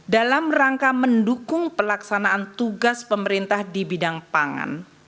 dalam rangka mendukung pelaksanaan tugas pemerintah di bidang pangan